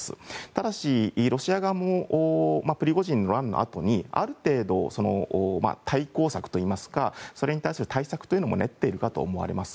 ただし、ロシア側もプリゴジンの乱のあとにある程度、対抗策といいますかそれに対する対策も練っているかと思われます。